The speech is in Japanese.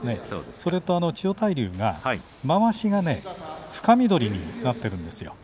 それと千代大龍が、まわしが深緑になっているんですよ。